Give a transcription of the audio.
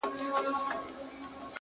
• ځوان د سگريټو تسه کړې قطۍ وغورځول،